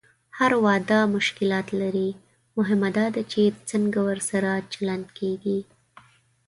هر واده مشکلات لري، مهمه دا ده چې څنګه ورسره چلند کېږي.